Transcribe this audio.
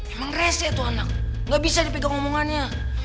emang rese tuh anak gak bisa dipegang omongannya